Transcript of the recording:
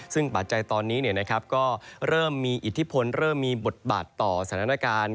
ซึ่งปัจจัยตอนนี้ก็เริ่มมีอิทธิพลเริ่มมีบทบาทต่อสถานการณ์